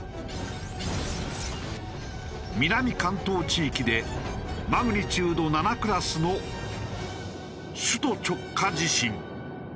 南関東地域でマグニチュード７クラスの先月